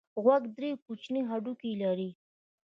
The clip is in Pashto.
غوږ درې کوچني هډوکي لري.